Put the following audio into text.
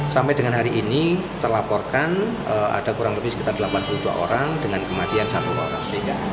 sampai dengan hari ini terlaporkan ada kurang lebih sekitar delapan puluh dua orang dengan kematian satu orang